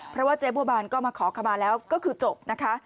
เพราะว่าเจ๊บัวบานก็มาขอขมาแล้วก็คือจบนะคะ